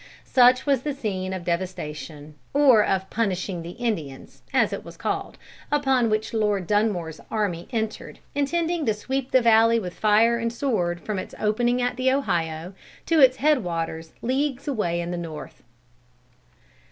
Such was the scene of devastation, or of "punishing the Indians," as it was called, upon which Lord Dunmore's army entered, intending to sweep the valley with fire and sword from its opening at the Ohio to its head waters leagues away in the North.